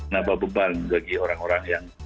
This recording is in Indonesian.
naba beban bagi orang orang yang